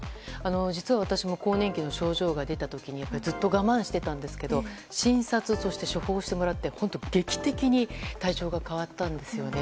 実は私も更年期の症状が出た時にずっと我慢していたんですが診察、そして処方をしてもらって劇的に体調が変わったんですよね。